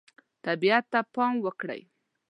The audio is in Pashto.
طبیعت ته پام وکړئ.